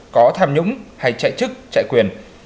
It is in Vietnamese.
có tham nhũng hay chạy chức chạy quyền